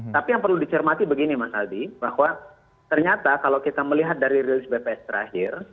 tapi yang perlu dicermati begini mas aldi bahwa ternyata kalau kita melihat dari rilis bps terakhir